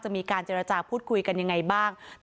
จะมีการเจรจาพูดคุยกันยังไงบ้าง